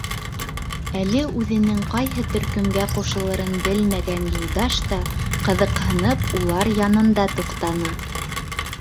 Әле үҙенең ҡайһы төркөмгә ҡушылырын белмәгән Юлдаш та ҡыҙыҡһынып улар янында туҡтаны.